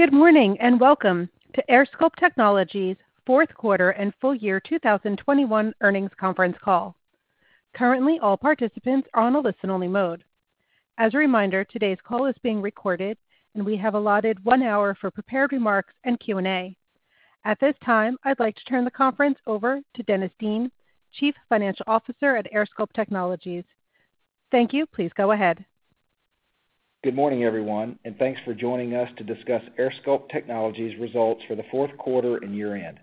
Good morning, and welcome to AirSculpt Technologies' fourth quarter and full year 2021 earnings conference call. Currently, all participants are in a listen-only mode. As a reminder, today's call is being recorded, and we have allotted one hour for prepared remarks and Q&A. At this time, I'd like to turn the conference over to Dennis Dean, Chief Financial Officer at AirSculpt Technologies. Thank you. Please go ahead. Good morning, everyone, and thanks for joining us to discuss AirSculpt Technologies' results for the fourth quarter and year-end.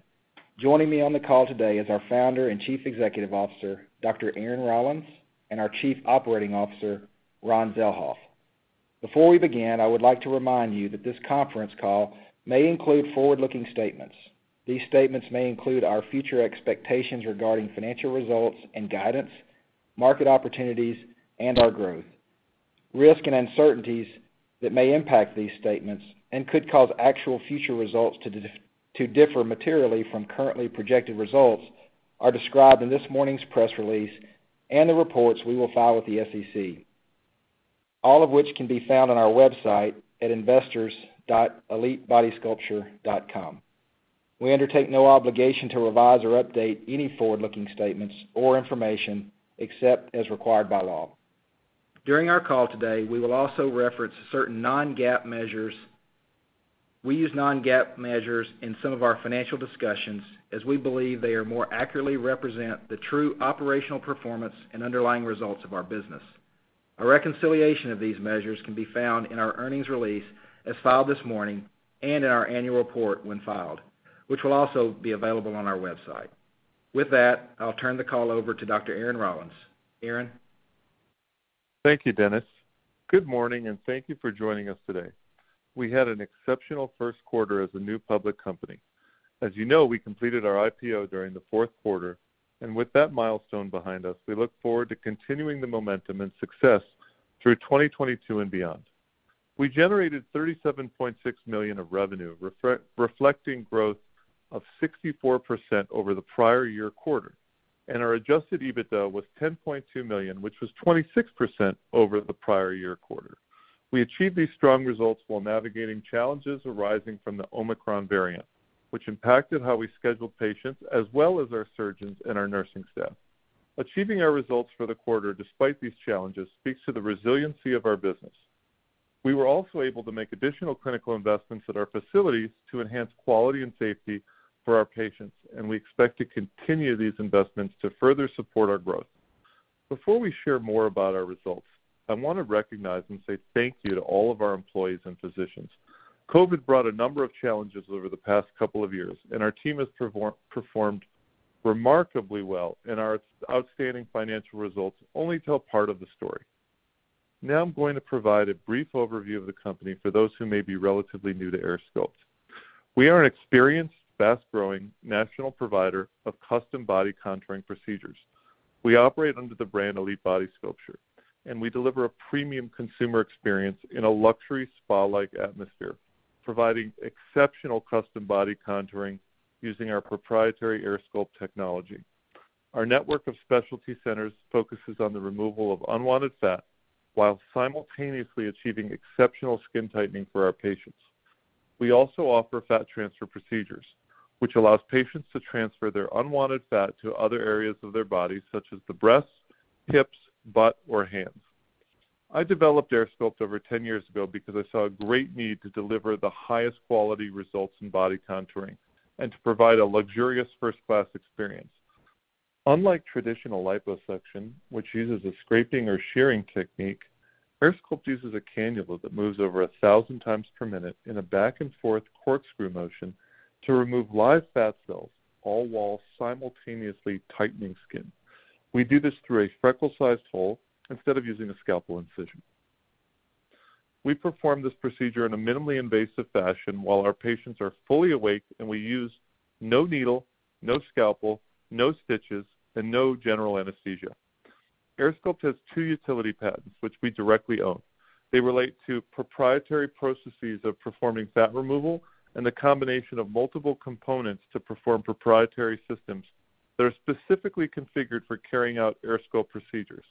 Joining me on the call today is our Founder and Chief Executive Officer, Dr. Aaron Rollins, and our Chief Operating Officer, Ron Zelhof. Before we begin, I would like to remind you that this conference call may include forward-looking statements. These statements may include our future expectations regarding financial results and guidance, market opportunities, and our growth. Risk and uncertainties that may impact these statements and could cause actual future results to differ materially from currently projected results are described in this morning's press release and the reports we will file with the SEC, all of which can be found on our website at investors.elitebodysculpture.com. We undertake no obligation to revise or update any forward-looking statements or information except as required by law. During our call today, we will also reference certain non-GAAP measures. We use non-GAAP measures in some of our financial discussions as we believe they more accurately represent the true operational performance and underlying results of our business. A reconciliation of these measures can be found in our earnings release as filed this morning and in our annual report when filed, which will also be available on our website. With that, I'll turn the call over to Dr. Aaron Rollins. Aaron? Thank you, Dennis. Good morning, and thank you for joining us today. We had an exceptional first quarter as a new public company. As you know, we completed our IPO during the fourth quarter, and with that milestone behind us, we look forward to continuing the momentum and success through 2022 and beyond. We generated $37.6 million of revenue, reflecting growth of 64% over the prior year quarter, and our adjusted EBITDA was $10.2 million, which was 26% over the prior year quarter. We achieved these strong results while navigating challenges arising from the Omicron variant, which impacted how we scheduled patients as well as our surgeons and our nursing staff. Achieving our results for the quarter despite these challenges speaks to the resiliency of our business. We were also able to make additional clinical investments at our facilities to enhance quality and safety for our patients, and we expect to continue these investments to further support our growth. Before we share more about our results, I wanna recognize and say thank you to all of our employees and physicians. COVID brought a number of challenges over the past couple of years, and our team has performed remarkably well, and our outstanding financial results only tell part of the story. Now I'm going to provide a brief overview of the company for those who may be relatively new to AirSculpt. We are an experienced, fast-growing national provider of custom body contouring procedures. We operate under the brand Elite Body Sculpture, and we deliver a premium consumer experience in a luxury spa-like atmosphere, providing exceptional custom body contouring using our proprietary AirSculpt technology. Our network of specialty centers focuses on the removal of unwanted fat while simultaneously achieving exceptional skin tightening for our patients. We also offer fat transfer procedures, which allows patients to transfer their unwanted fat to other areas of their body, such as the breasts, hips, butt, or hands. I developed AirSculpt over 10 years ago because I saw a great need to deliver the highest quality results in body contouring and to provide a luxurious first-class experience. Unlike traditional liposuction, which uses a scraping or shearing technique, AirSculpt uses a cannula that moves over 1,000 times per minute in a back and forth corkscrew motion to remove live fat cells, all while simultaneously tightening skin. We do this through a freckle-sized hole instead of using a scalpel incision. We perform this procedure in a minimally invasive fashion while our patients are fully awake, and we use no needle, no scalpel, no stitches, and no general anesthesia. AirSculpt has two utility patents, which we directly own. They relate to proprietary processes of performing fat removal and the combination of multiple components to perform proprietary systems that are specifically configured for carrying out AirSculpt procedures.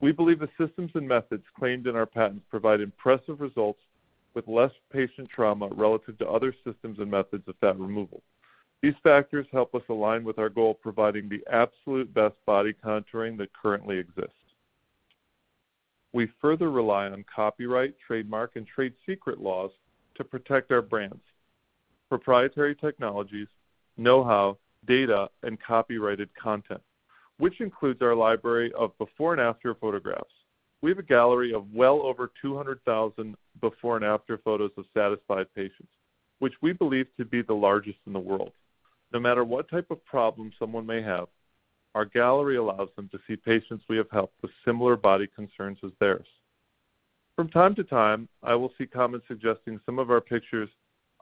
We believe the systems and methods claimed in our patents provide impressive results with less patient trauma relative to other systems and methods of fat removal. These factors help us align with our goal of providing the absolute best body contouring that currently exists. We further rely on copyright, trademark, and trade secret laws to protect our brands, proprietary technologies, know-how, data, and copyrighted content, which includes our library of before and after photographs. We have a gallery of well over 200,000 before and after photos of satisfied patients, which we believe to be the largest in the world. No matter what type of problem someone may have, our gallery allows them to see patients we have helped with similar body concerns as theirs. From time to time, I will see comments suggesting some of our pictures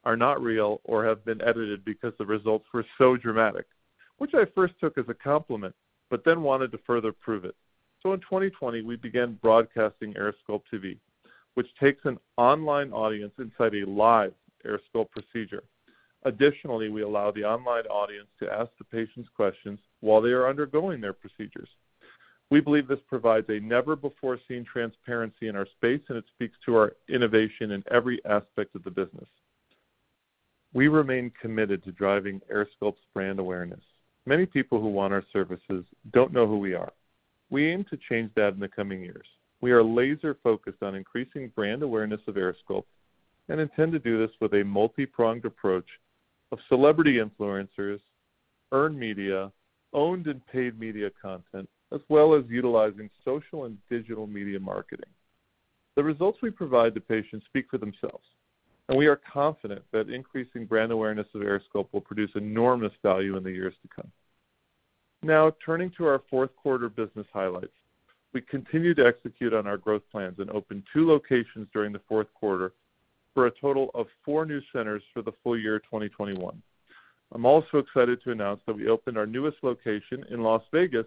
are not real or have been edited because the results were so dramatic, which I first took as a compliment, but then wanted to further prove it. In 2020, we began broadcasting AirSculpt TV, which takes an online audience inside a live AirSculpt procedure. Additionally, we allow the online audience to ask the patients questions while they are undergoing their procedures. We believe this provides a never before seen transparency in our space, and it speaks to our innovation in every aspect of the business. We remain committed to driving AirSculpt's brand awareness. Many people who want our services don't know who we are. We aim to change that in the coming years. We are laser focused on increasing brand awareness of AirSculpt and intend to do this with a multi-pronged approach of celebrity influencers, earned media, owned and paid media content, as well as utilizing social and digital media marketing. The results we provide to patients speak for themselves, and we are confident that increasing brand awareness of AirSculpt will produce enormous value in the years to come. Now turning to our fourth quarter business highlights. We continue to execute on our growth plans and opened two locations during the fourth quarter for a total of four new centers for the full year 2021. I'm also excited to announce that we opened our newest location in Las Vegas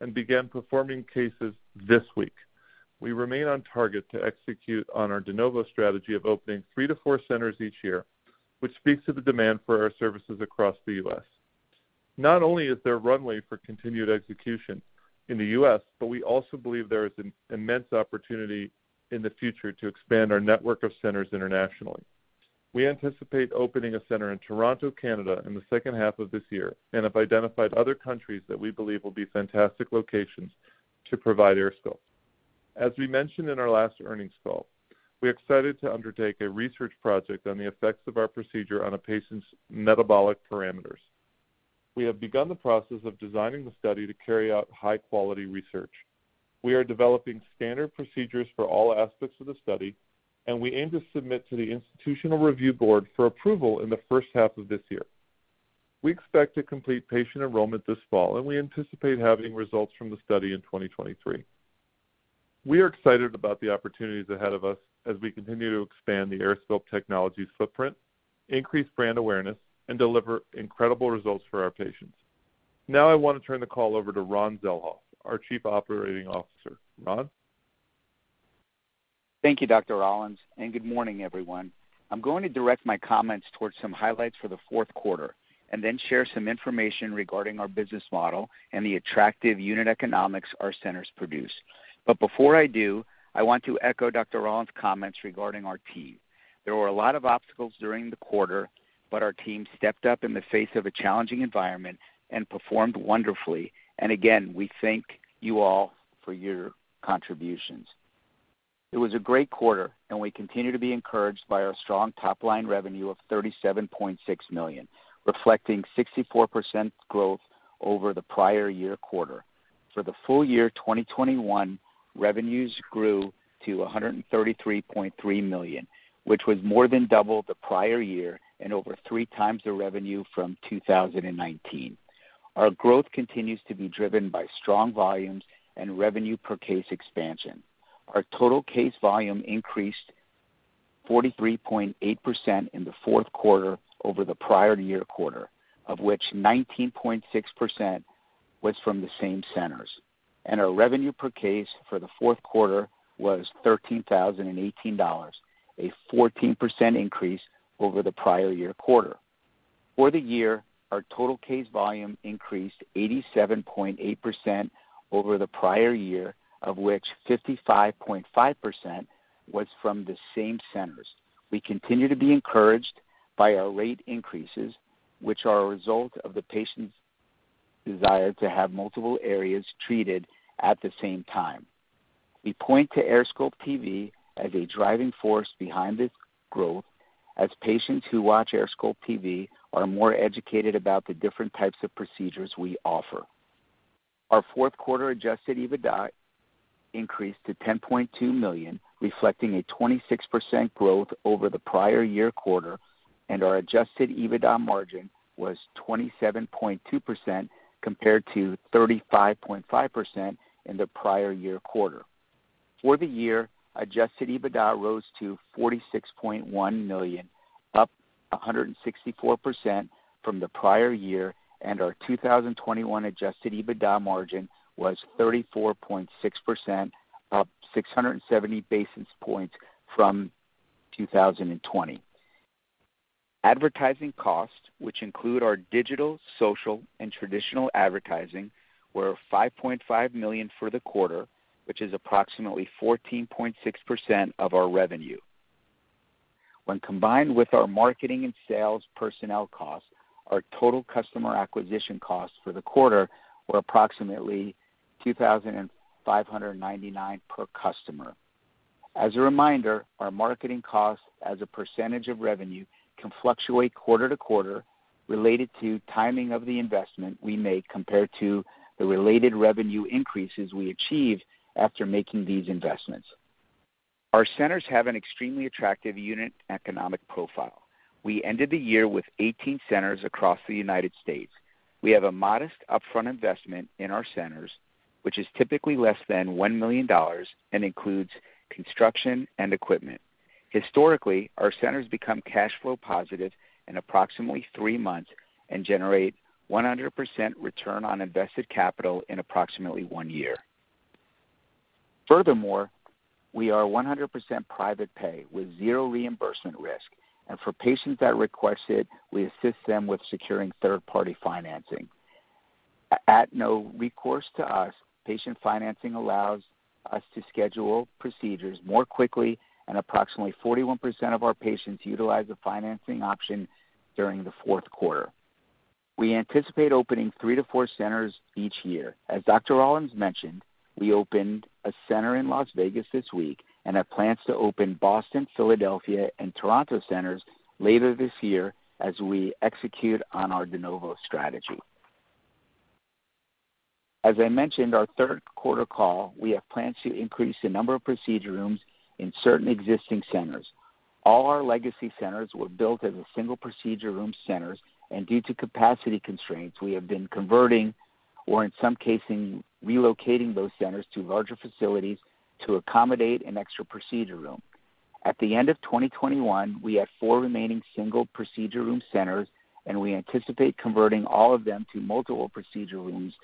and began performing cases this week. We remain on target to execute on our de novo strategy of opening three to four centers each year, which speaks to the demand for our services across the U.S. Not only is there runway for continued execution in the U.S., but we also believe there is an immense opportunity in the future to expand our network of centers internationally. We anticipate opening a center in Toronto, Canada, in the second half of this year, and have identified other countries that we believe will be fantastic locations to provide AirSculpt. As we mentioned in our last earnings call, we're excited to undertake a research project on the effects of our procedure on a patient's metabolic parameters. We have begun the process of designing the study to carry out high quality research. We are developing standard procedures for all aspects of the study, and we aim to submit to the Institutional Review Board for approval in the first half of this year. We expect to complete patient enrollment this fall, and we anticipate having results from the study in 2023. We are excited about the opportunities ahead of us as we continue to expand the AirSculpt Technologies footprint, increase brand awareness, and deliver incredible results for our patients. Now, I want to turn the call over to Ron Zelhof, our Chief Operating Officer. Ron? Thank you, Dr. Rollins, and good morning, everyone. I'm going to direct my comments towards some highlights for the fourth quarter and then share some information regarding our business model and the attractive unit economics our centers produce. Before I do, I want to echo Dr. Rollins' comments regarding our team. There were a lot of obstacles during the quarter, but our team stepped up in the face of a challenging environment and performed wonderfully. Again, we thank you all for your contributions. It was a great quarter, and we continue to be encouraged by our strong top line revenue of $37.6 million, reflecting 64% growth over the prior year quarter. For the full year 2021, revenues grew to $133.3 million, which was more than double the prior year and over 3x the revenue from 2019. Our growth continues to be driven by strong volumes and revenue per case expansion. Our total case volume increased 43.8% in the fourth quarter over the prior year quarter, of which 19.6% was from the same centers. Our revenue per case for the fourth quarter was $13,018, a 14% increase over the prior year quarter. For the year, our total case volume increased 87.8% over the prior year, of which 55.5% was from the same centers. We continue to be encouraged by our latest increases, which are a result of the patient's desire to have multiple areas treated at the same time. We point to AirSculpt TV as a driving force behind this growth, as patients who watch AirSculpt TV are more educated about the different types of procedures we offer. Our fourth quarter adjusted EBITDA increased to $10.2 million, reflecting a 26% growth over the prior year quarter, and our adjusted EBITDA margin was 27.2% compared to 35.5% in the prior year quarter. For the year, adjusted EBITDA rose to $46.1 million, up 164% from the prior year, and our 2021 adjusted EBITDA margin was 34.6%, up 670 basis points from 2020. Advertising costs, which include our digital, social, and traditional advertising, were $5.5 million for the quarter, which is approximately 14.6% of our revenue. When combined with our marketing and sales personnel costs, our total customer acquisition costs for the quarter were approximately $2,599 per customer. As a reminder, our marketing costs as a percentage of revenue can fluctuate quarter-to-quarter related to timing of the investment we make compared to the related revenue increases we achieve after making these investments. Our centers have an extremely attractive unit economic profile. We ended the year with 18 centers across the United States. We have a modest upfront investment in our centers, which is typically less than $1 million and includes construction and equipment. Historically, our centers become cash flow positive in approximately three months and generate 100% return on invested capital in approximately one year. Furthermore, we are 100% private pay with zero reimbursement risk. For patients that request it, we assist them with securing third-party financing. At no recourse to us, patient financing allows us to schedule procedures more quickly, and approximately 41% of our patients utilize the financing option during the fourth quarter. We anticipate opening three to four centers each year. As Dr. Rollins mentioned, we opened a center in Las Vegas this week and have plans to open Boston, Philadelphia, and Toronto centers later this year as we execute on our de novo strategy. As I mentioned on our third quarter call, we have plans to increase the number of procedure rooms in certain existing centers. All our legacy centers were built as single-procedure-room centers, and due to capacity constraints, we have been converting, or in some cases, relocating those centers to larger facilities to accommodate an extra procedure room. At the end of 2021, we had four remaining single-procedure-room centers, and we anticipate converting all of them to multiple procedure rooms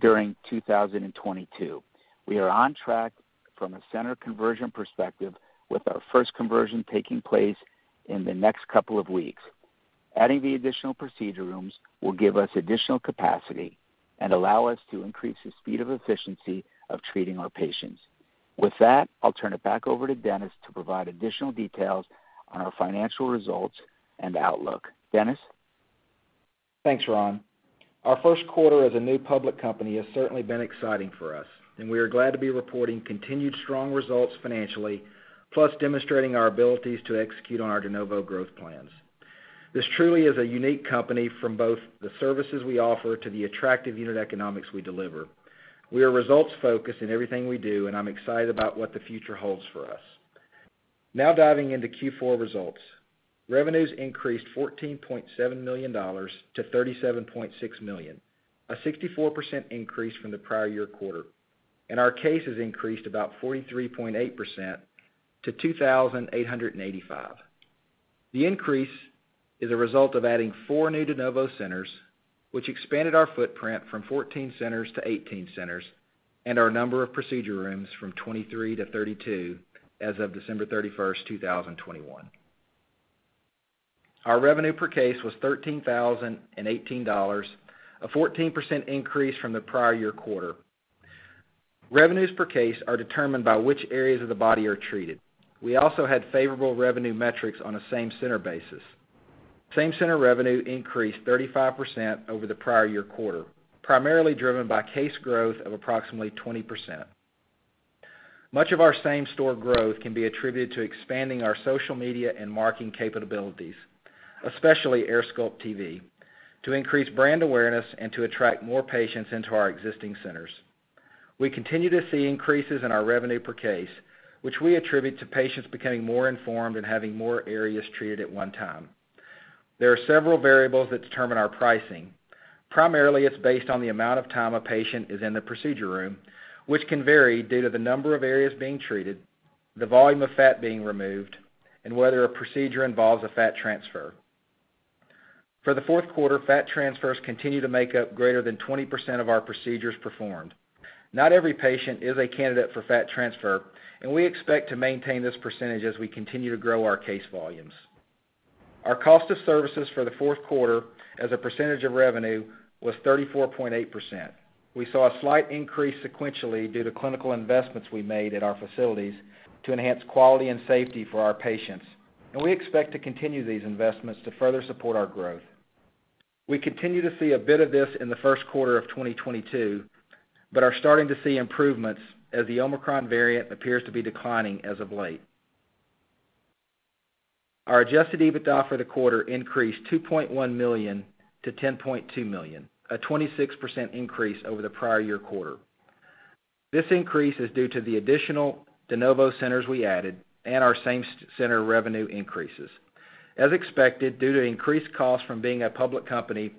during 2022. We are on track from a center conversion perspective with our first conversion taking place in the next couple of weeks. Adding the additional procedure rooms will give us additional capacity and allow us to increase the speed and efficiency of treating our patients. With that, I'll turn it back over to Dennis to provide additional details on our financial results and outlook. Dennis? Thanks, Ron. Our first quarter as a new public company has certainly been exciting for us, and we are glad to be reporting continued strong results financially, plus demonstrating our abilities to execute on our de novo growth plans. This truly is a unique company from both the services we offer to the attractive unit economics we deliver. We are results-focused in everything we do, and I'm excited about what the future holds for us. Now diving into Q4 results. Revenues increased $14.7 million-$37.6 million, a 64% increase from the prior year quarter, and our cases increased about 43.8% to 2,885. The increase is a result of adding four new de novo centers, which expanded our footprint from 14 centers to 18 centers and our number of procedure rooms from 23 to 32 as of December 31st, 2021. Our revenue per case was $13,018, a 14% increase from the prior year quarter. Revenues per case are determined by which areas of the body are treated. We also had favorable revenue metrics on a same-center basis. Same-center revenue increased 35% over the prior year quarter, primarily driven by case growth of approximately 20%. Much of our same-center growth can be attributed to expanding our social media and marketing capabilities, especially AirSculpt TV, to increase brand awareness and to attract more patients into our existing centers. We continue to see increases in our revenue per case, which we attribute to patients becoming more informed and having more areas treated at one time. There are several variables that determine our pricing. Primarily, it's based on the amount of time a patient is in the procedure room, which can vary due to the number of areas being treated, the volume of fat being removed, and whether a procedure involves a fat transfer. For the fourth quarter, fat transfers continue to make up greater than 20% of our procedures performed. Not every patient is a candidate for fat transfer, and we expect to maintain this percentage as we continue to grow our case volumes. Our cost of services for the fourth quarter as a percentage of revenue was 34.8%. We saw a slight increase sequentially due to clinical investments we made at our facilities to enhance quality and safety for our patients, and we expect to continue these investments to further support our growth. We continue to see a bit of this in the first quarter of 2022, but are starting to see improvements as the Omicron variant appears to be declining as of late. Our adjusted EBITDA for the quarter increased $2.1 million-$10.2 million, a 26% increase over the prior year quarter. This increase is due to the additional de novo centers we added and our same-center revenue increases. As expected, due to increased costs from being a public company,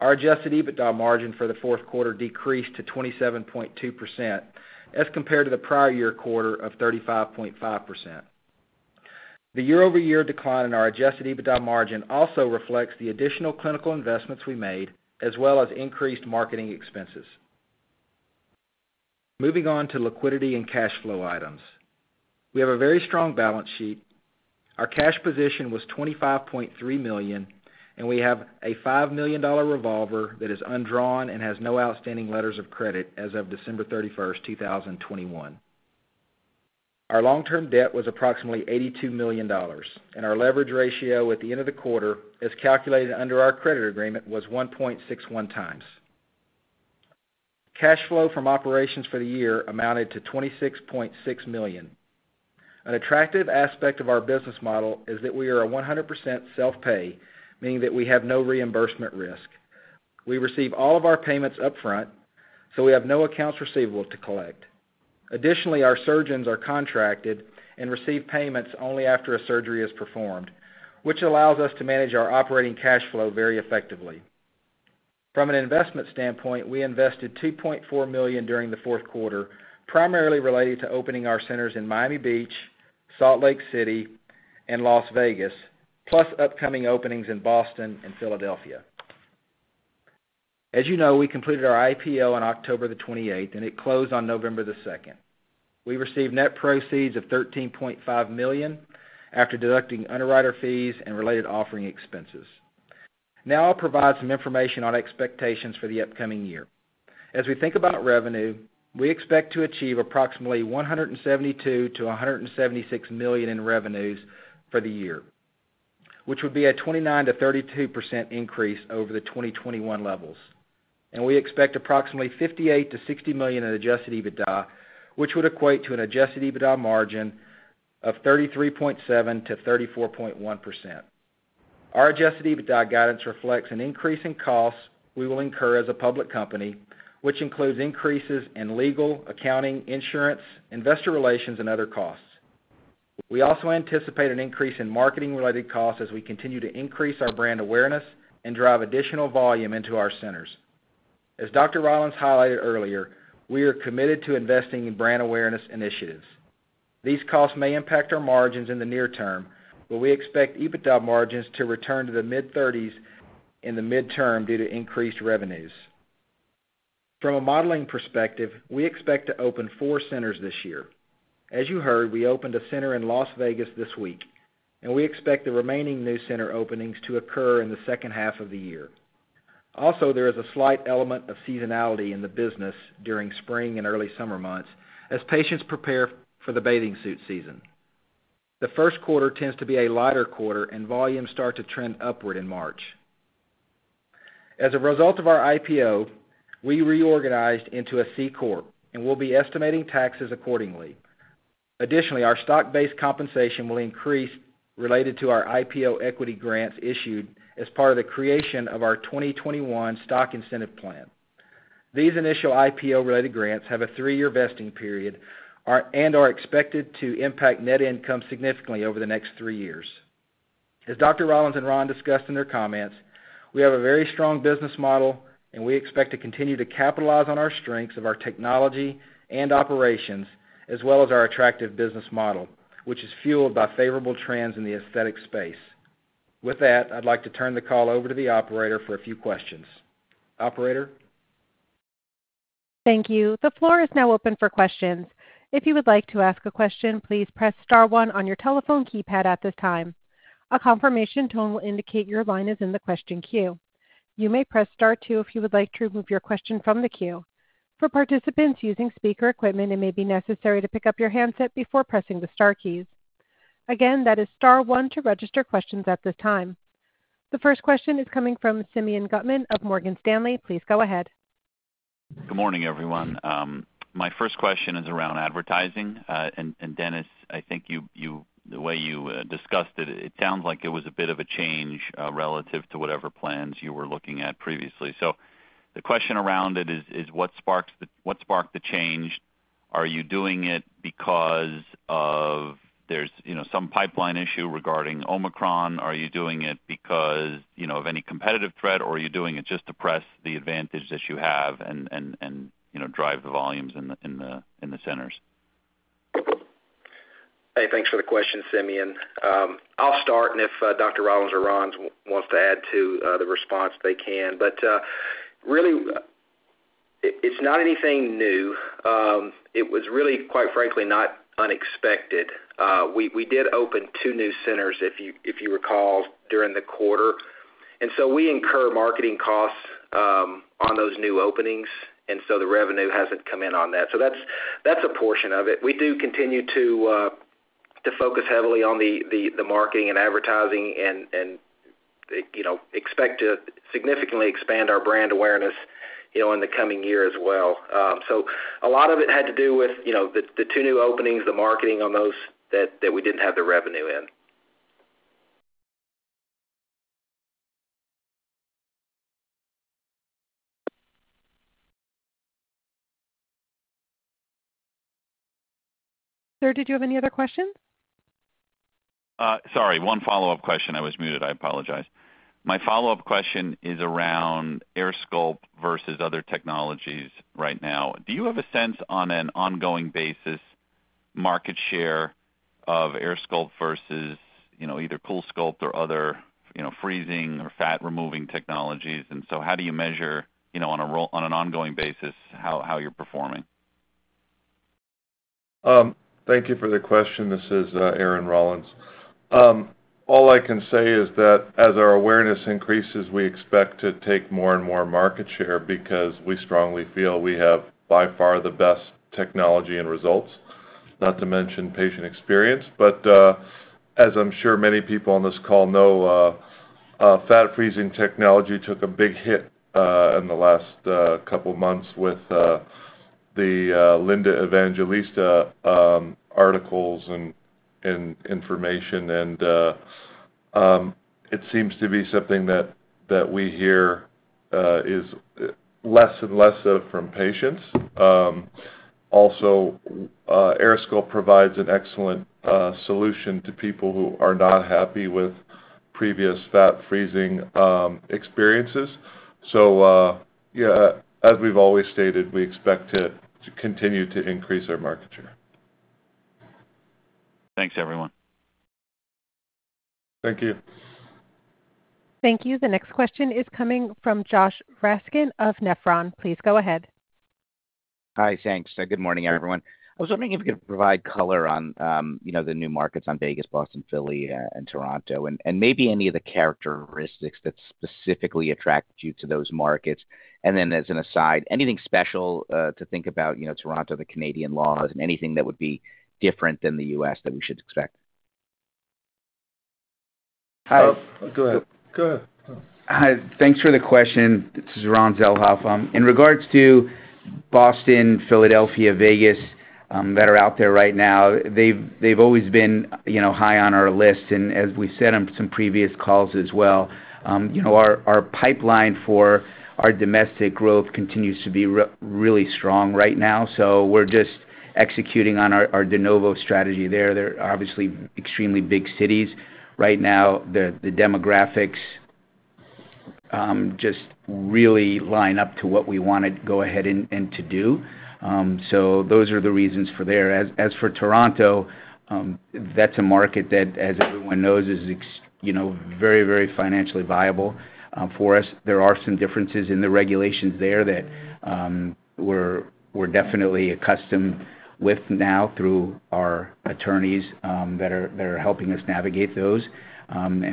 our adjusted EBITDA margin for the fourth quarter decreased to 27.2% as compared to the prior year quarter of 35.5%. The year-over-year decline in our adjusted EBITDA margin also reflects the additional clinical investments we made, as well as increased marketing expenses. Moving on to liquidity and cash flow items. We have a very strong balance sheet. Our cash position was $25.3 million, and we have a $5 million revolver that is undrawn and has no outstanding letters of credit as of December 31st, 2021. Our long-term debt was approximately $82 million, and our leverage ratio at the end of the quarter, as calculated under our credit agreement, was 1.61x Cash flow from operations for the year amounted to $26.6 million. An attractive aspect of our business model is that we are 100% self-pay, meaning that we have no reimbursement risk. We receive all of our payments up front, so we have no accounts receivable to collect. Additionally, our surgeons are contracted and receive payments only after a surgery is performed, which allows us to manage our operating cash flow very effectively. From an investment standpoint, we invested $2.4 million during the fourth quarter, primarily related to opening our centers in Miami Beach, Salt Lake City, and Las Vegas, plus upcoming openings in Boston and Philadelphia. As you know, we completed our IPO on October 28th, and it closed on November 2nd. We received net proceeds of $13.5 million after deducting underwriter fees and related offering expenses. Now I'll provide some information on expectations for the upcoming year. As we think about revenue, we expect to achieve approximately $172 million-$176 million in revenues for the year, which would be a 29%-32% increase over the 2021 levels. We expect approximately $58 million-$60 million in adjusted EBITDA, which would equate to an adjusted EBITDA margin of 33.7%-34.1%. Our adjusted EBITDA guidance reflects an increase in costs we will incur as a public company, which includes increases in legal, accounting, insurance, investor relations, and other costs. We also anticipate an increase in marketing related costs as we continue to increase our brand awareness and drive additional volume into our centers. As Dr. Rollins highlighted earlier, we are committed to investing in brand awareness initiatives. These costs may impact our margins in the near term, but we expect EBITDA margins to return to the mid-30s% in the midterm due to increased revenues. From a modeling perspective, we expect to open four centers this year. As you heard, we opened a center in Las Vegas this week, and we expect the remaining new center openings to occur in the second half of the year. Also, there is a slight element of seasonality in the business during spring and early summer months as patients prepare for the bathing suit season. The first quarter tends to be a lighter quarter and volumes start to trend upward in March. As a result of our IPO, we reorganized into a C corp and we'll be estimating taxes accordingly. Additionally, our stock-based compensation will increase related to our IPO equity grants issued as part of the creation of our 2021 Stock Incentive Plan. These initial IPO-related grants have a three-year vesting period and are expected to impact net income significantly over the next three years. As Dr. Rollins and Ron discussed in their comments, we have a very strong business model, and we expect to continue to capitalize on our strengths of our technology and operations, as well as our attractive business model, which is fueled by favorable trends in the aesthetic space. With that, I'd like to turn the call over to the operator for a few questions. Operator. Thank you. The floor is now open for questions. If you would like to ask a question, please press star one on your telephone keypad at this time. A confirmation tone will indicate your line is in the question queue. You may press star two if you would like to remove your question from the queue. For participants using speaker equipment, it may be necessary to pick up your handset before pressing the star keys. Again, that is star one to register questions at this time. The first question is coming from Simeon Gutman of Morgan Stanley. Please go ahead. Good morning, everyone. My first question is around advertising. Dennis, I think the way you discussed it sounds like it was a bit of a change relative to whatever plans you were looking at previously. The question around it is, what sparked the change? Are you doing it because there's, you know, some pipeline issue regarding Omicron? Are you doing it because, you know, of any competitive threat, or are you doing it just to press the advantage that you have and, you know, drive the volumes in the centers? Hey, thanks for the question, Simeon. I'll start, and if Dr. Rollins or Ron wants to add to the response, they can. Really, it's not anything new. It was really, quite frankly, not unexpected. We did open two new centers, if you recall, during the quarter. We incur marketing costs on those new openings, and the revenue hasn't come in on that. That's a portion of it. We do continue to focus heavily on the marketing and advertising and you know, expect to significantly expand our brand awareness you know, in the coming year as well. A lot of it had to do with you know, the two new openings, the marketing on those that we didn't have the revenue in. Sir, did you have any other questions? Sorry, one follow-up question. I was muted. I apologize. My follow-up question is around AirSculpt versus other technologies right now. Do you have a sense on an ongoing basis market share of AirSculpt versus, you know, either CoolSculpting or other, you know, freezing or fat removing technologies? How do you measure, you know, on an ongoing basis how you're performing? Thank you for the question. This is Aaron Rollins. All I can say is that as our awareness increases, we expect to take more and more market share because we strongly feel we have by far the best technology and results, not to mention patient experience. As I'm sure many people on this call know, fat freezing technology took a big hit in the last couple of months with the Linda Evangelista articles and information. It seems to be something that we hear is less and less of from patients. Also, AirSculpt provides an excellent solution to people who are not happy with previous fat freezing experiences. As we've always stated, we expect to continue to increase our market share. Thanks everyone. Thank you. Thank you. The next question is coming from Josh Raskin of Nephron. Please go ahead. Hi. Thanks. Good morning, everyone. I was wondering if you could provide color on, you know, the new markets on Vegas, Boston, Philly, and Toronto, and maybe any of the characteristics that specifically attract you to those markets. As an aside, anything special, to think about, you know, Toronto, the Canadian laws, and anything that would be different than the U.S. that we should expect? Hi. Go ahead. Hi. Thanks for the question. This is Ron Zelhof. In regards to Boston, Philadelphia, Vegas that are out there right now, they've always been, you know, high on our list. As we said on some previous calls as well, you know, our pipeline for our domestic growth continues to be really strong right now. We're just executing on our de novo strategy there. They're obviously extremely big cities. Right now, the demographics just really line up to what we wanna go ahead and to do. So those are the reasons for there. As for Toronto, that's a market that, as everyone knows, is you know, very, very financially viable for us. There are some differences in the regulations there that we're definitely accustomed with now through our attorneys that are helping us navigate those.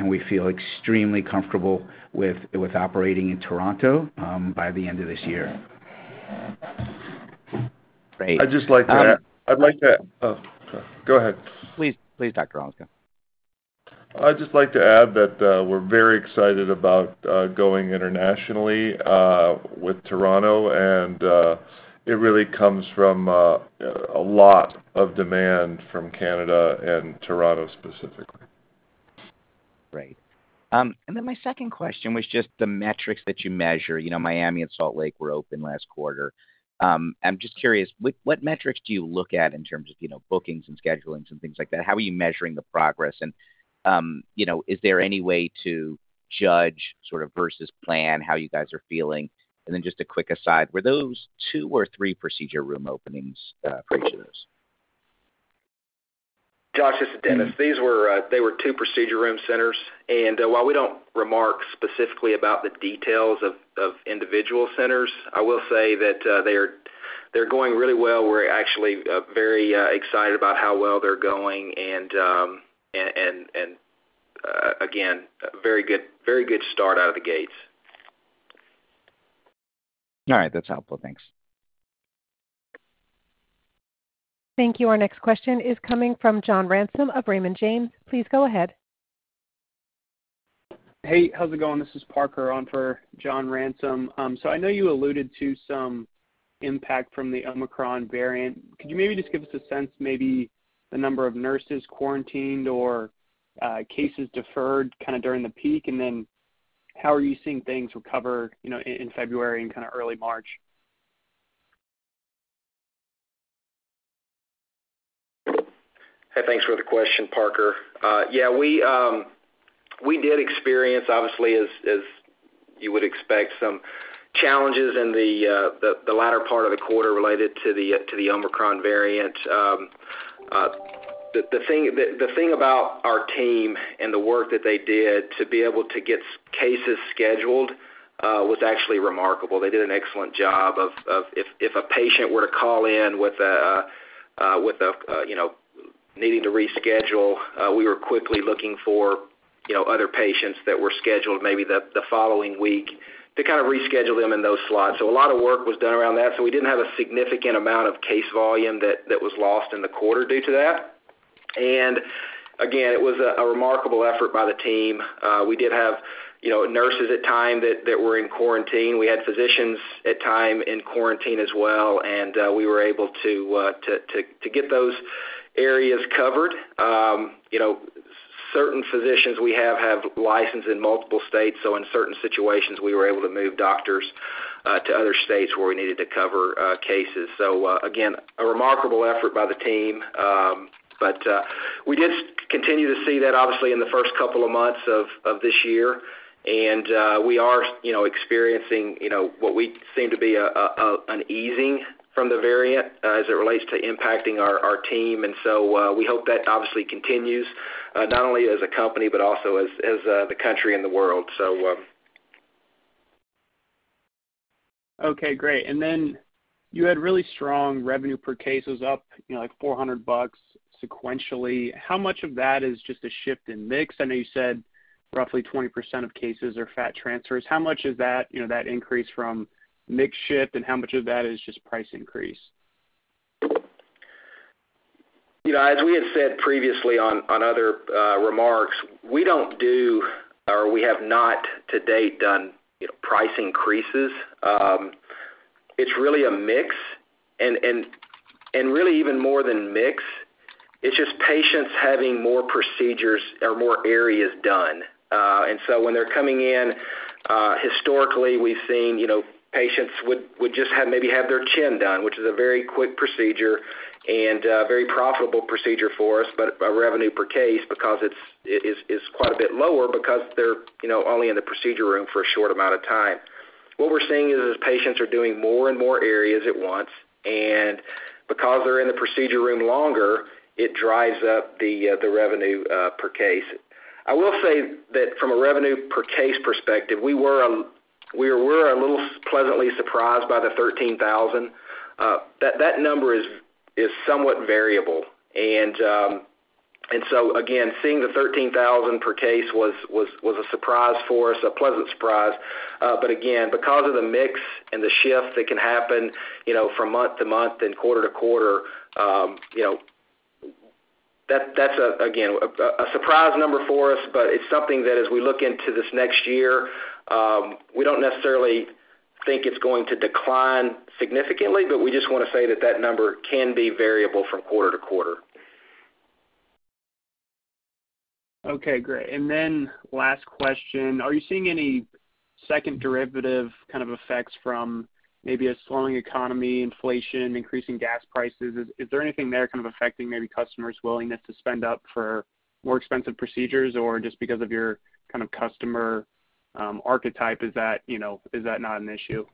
We feel extremely comfortable with operating in Toronto by the end of this year. Great. Oh, go ahead. Please, please, Dr. Rollins. I'd just like to add that we're very excited about going internationally with Toronto, and it really comes from a lot of demand from Canada and Toronto specifically. Great. My second question was just the metrics that you measure. You know, Miami and Salt Lake were open last quarter. I'm just curious, what metrics do you look at in terms of, you know, bookings and scheduling some things like that? How are you measuring the progress? And, you know, is there any way to judge sort of versus plan how you guys are feeling? Just a quick aside, were those two or three procedure room openings, procedures? Josh, this is Dennis. These were two procedure room centers. While we don't remark specifically about the details of individual centers, I will say that they're going really well. We're actually very excited about how well they're going. Again, very good start out of the gates. All right, that's helpful. Thanks. Thank you. Our next question is coming from John Ransom of Raymond James. Please go ahead. Hey, how's it going? This is Parker on for John Ransom. I know you alluded to some impact from the Omicron variant. Could you maybe just give us a sense, maybe the number of nurses quarantined or, cases deferred kinda during the peak? And then how are you seeing things recover, you know, in February and kinda early March? Hey, thanks for the question, Parker. Yeah, we did experience, obviously, as you would expect, some challenges in the latter part of the quarter related to the Omicron variant. The thing about our team and the work that they did to be able to get cases scheduled was actually remarkable. They did an excellent job of, if a patient were to call in with a you know, needing to reschedule, we were quickly looking for, you know, other patients that were scheduled maybe the following week to kind of reschedule them in those slots. A lot of work was done around that. We didn't have a significant amount of case volume that was lost in the quarter due to that. Again, it was a remarkable effort by the team. We did have, you know, nurses at times that were in quarantine. We had physicians at times in quarantine as well, and we were able to get those areas covered. You know, certain physicians we have licenses in multiple states, so in certain situations, we were able to move doctors to other states where we needed to cover cases. Again, a remarkable effort by the team. We did continue to see that obviously in the first couple of months of this year. We are, you know, experiencing, you know, what we seem to be an easing from the variant as it relates to impacting our team. We hope that obviously continues not only as a company, but also as the country and the world, so. Okay, great. You had really strong revenue per case up, you know, like $400 sequentially. How much of that is just a shift in mix? I know you said roughly 20% of cases are fat transfers. How much is that, you know, that increase from mix shift, and how much of that is just price increase? You know, as we had said previously on other remarks, we don't do or we have not to date done, you know, price increases. It's really a mix. Really even more than mix, it's just patients having more procedures or more areas done. When they're coming in, historically, we've seen, you know, patients would just have maybe their chin done, which is a very quick procedure and very profitable procedure for us, but by revenue per case because it is quite a bit lower because they're, you know, only in the procedure room for a short amount of time. What we're seeing is patients are doing more and more areas at once, and because they're in the procedure room longer, it drives up the revenue per case. I will say that from a revenue per case perspective, we were a little pleasantly surprised by the $13,000. That number is somewhat variable. Again, seeing the $13,000 per case was a surprise for us, a pleasant surprise. Again, because of the mix and the shift that can happen, you know, from month-to-month and quarter-to-quarter, you know, that's, again, a surprise number for us, but it's something that as we look into this next year, we don't necessarily think it's going to decline significantly, but we just wanna say that that number can be variable from quarter-to-quarter. Okay, great. Last question. Are you seeing any second derivative kind of effects from maybe a slowing economy, inflation, increasing gas prices? Is there anything there kind of affecting maybe customers' willingness to spend up for more expensive procedures? Or just because of your kind of customer archetype, you know, is that not an issue?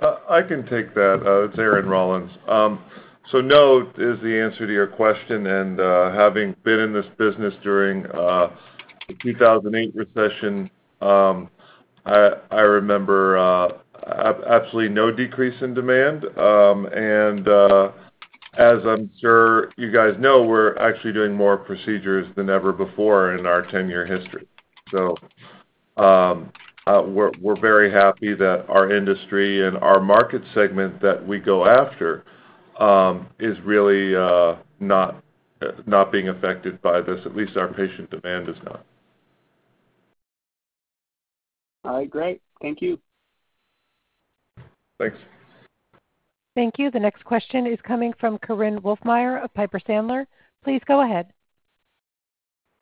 I can take that. It's Aaron Rollins. No is the answer to your question. Having been in this business during the 2008 recession, I remember absolutely no decrease in demand. As I'm sure you guys know, we're actually doing more procedures than ever before in our 10-year history. We're very happy that our industry and our market segment that we go after is really not being affected by this. At least our patient demand is not. All right, great. Thank you. Thanks. Thank you. The next question is coming from Korinne Wolfmeyer of Piper Sandler. Please go ahead.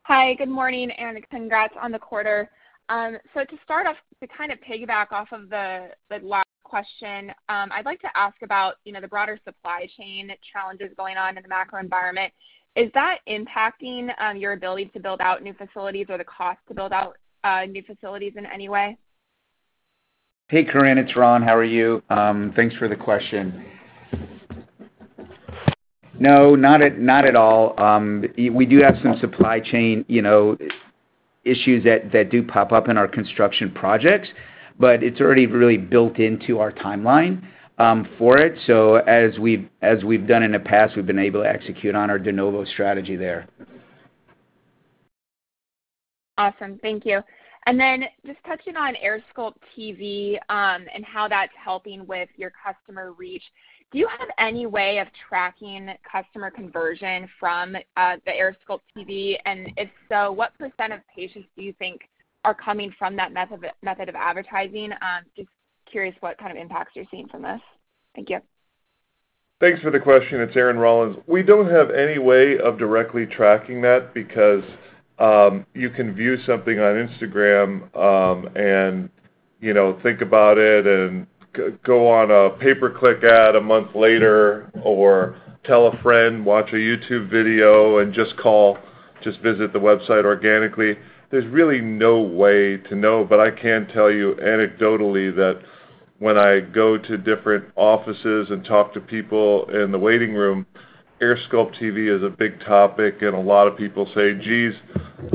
Hi, good morning, and congrats on the quarter. To start off, to kind of piggyback off of the last question, I'd like to ask about, you know, the broader supply chain challenges going on in the macro environment. Is that impacting your ability to build out new facilities or the cost to build out new facilities in any way? Hey, Korinne, it's Ron. How are you? Thanks for the question. No, not at all. We do have some supply chain, you know, issues that do pop up in our construction projects, but it's already really built into our timeline for it. As we've done in the past, we've been able to execute on our de novo strategy there. Awesome. Thank you. Then just touching on AirSculpt TV, and how that's helping with your customer reach. Do you have any way of tracking customer conversion from the AirSculpt TV? And if so, what percent of patients do you think are coming from that method of advertising? Just curious what kind of impacts you're seeing from this. Thank you. Thanks for the question. It's Aaron Rollins. We don't have any way of directly tracking that because you can view something on Instagram and, you know, think about it and go on a pay-per-click ad a month later or tell a friend, watch a YouTube video and just call, just visit the website organically. There's really no way to know, but I can tell you anecdotally that when I go to different offices and talk to people in the waiting room, AirSculpt TV is a big topic, and a lot of people say, "Geez,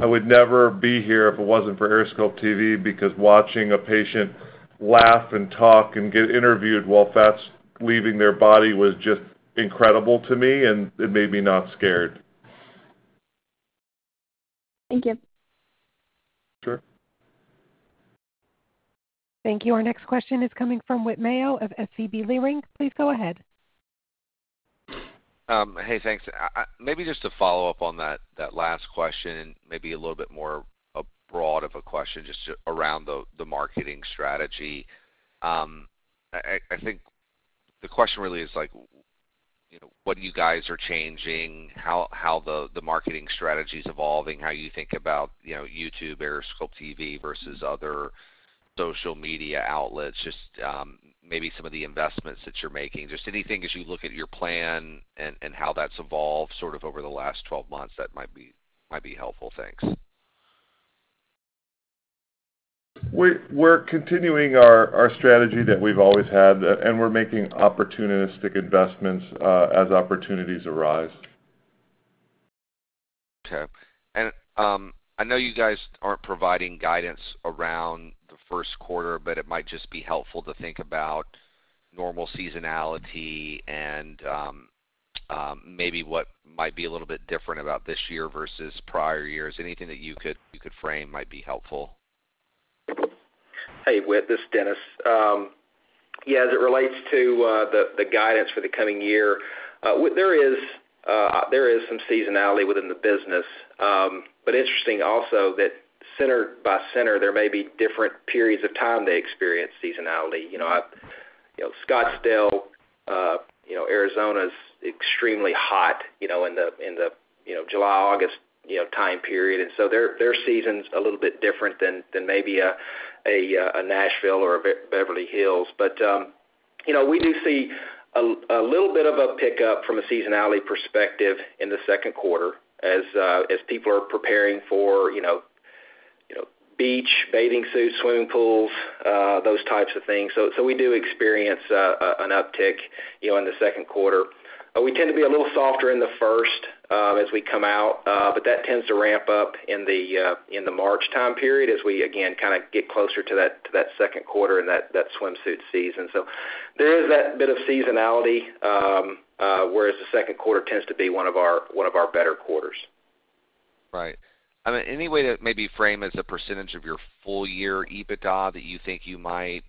I would never be here if it wasn't for AirSculpt TV.", because watching a patient laugh and talk and get interviewed while fat's leaving their body was just incredible to me, and it made me not scared. Thank you. Sure. Thank you. Our next question is coming from Whit Mayo of SVB Leerink. Please go ahead. Hey, thanks. Maybe just to follow-up on that last question, maybe a little bit more broad of a question just around the marketing strategy. I think the question really is like, you know, what you guys are changing, how the marketing strategy is evolving, how you think about, you know, YouTube, AirSculpt TV versus other social media outlets, just maybe some of the investments that you're making. Just anything as you look at your plan and how that's evolved sort of over the last 12 months that might be helpful. Thanks. We're continuing our strategy that we've always had, and we're making opportunistic investments as opportunities arise. Okay. I know you guys aren't providing guidance around the first quarter, but it might just be helpful to think about normal seasonality and, maybe what might be a little bit different about this year versus prior years. Anything that you could frame might be helpful. Hey, Whit, this is Dennis. Yeah, as it relates to the guidance for the coming year, Whit, there is some seasonality within the business. But interesting also that center by center, there may be different periods of time they experience seasonality. You know, Scottsdale, Arizona's extremely hot, you know, in the July to August time period. So their season's a little bit different than maybe a Nashville or a Beverly Hills. You know, we do see a little bit of a pickup from a seasonality perspective in the second quarter as people are preparing for, you know, beach, bathing suits, swimming pools, those types of things. We do experience an uptick, you know, in the second quarter. We tend to be a little softer in the first as we come out. That tends to ramp up in the March time period as we again kinda get closer to that second quarter and that swimsuit season. There is that bit of seasonality, whereas the second quarter tends to be one of our better quarters. Right. I mean, any way to maybe frame as a percentage of your full year EBITDA that you think you might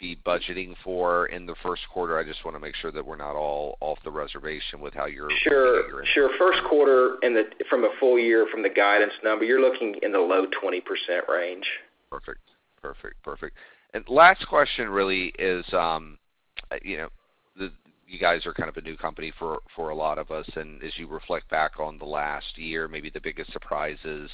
be budgeting for in the first quarter? I just wanna make sure that we're not all off the reservation with how you're- Sure. First quarter from a full year from the guidance number, you're looking in the low 20% range. Perfect. Last question really is, you guys are kind of a new company for a lot of us. As you reflect back on the last year, maybe the biggest surprises,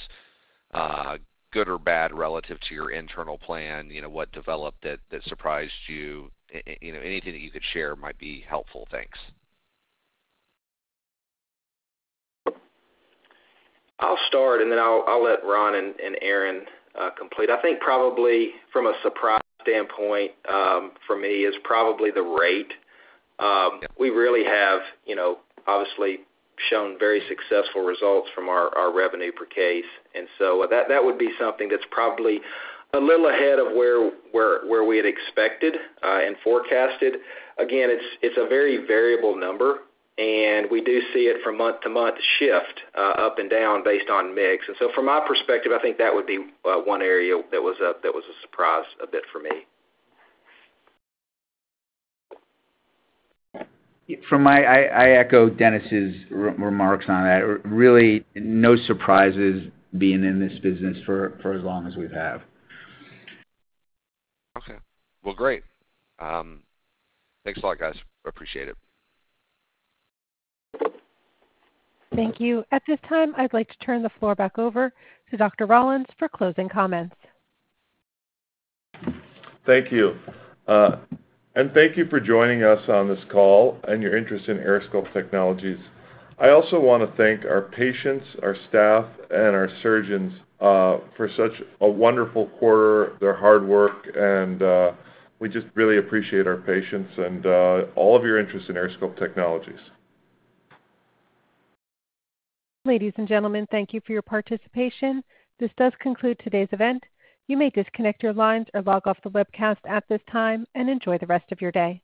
good or bad, relative to your internal plan, what developed that surprised you? Any anything that you could share might be helpful. Thanks. I'll start, and then I'll let Ron and Aaron complete. I think probably from a surprise standpoint, for me is probably the rate. We really have, you know, obviously shown very successful results from our revenue per case. That would be something that's probably a little ahead of where we had expected and forecasted. Again, it's a very variable number, and we do see it from month-to-month shift up and down based on mix. From my perspective, I think that would be one area that was a surprise a bit for me. I echo Dennis's remarks on that. Really no surprises being in this business for as long as we have. Okay. Well, great. Thanks a lot, guys. Appreciate it. Thank you. At this time, I'd like to turn the floor back over to Dr. Rollins for closing comments. Thank you. Thank you for joining us on this call and your interest in AirSculpt Technologies. I also wanna thank our patients, our staff, and our surgeons, for such a wonderful quarter, their hard work, and we just really appreciate our patients and all of your interest in AirSculpt Technologies. Ladies and gentlemen, thank you for your participation. This does conclude today's event. You may disconnect your lines or log off the webcast at this time, and enjoy the rest of your day.